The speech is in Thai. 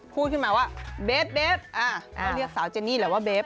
พูดขึ้นหมายว่าเบ๊บเบ๊บอ่าเรียกสาวเจนี่แหละว่าเบ๊บ